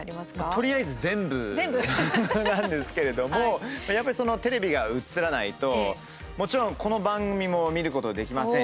とりあえず全部なんですけれどもテレビが映らないともちろん、この番組もそうですよ。